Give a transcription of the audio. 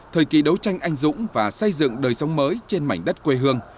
thời kỳ đấu tranh anh dũng và xây dựng đời sống mới trên mảnh đất quê hương